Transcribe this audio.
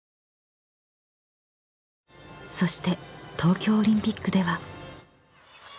［そして東京オリンピックでは］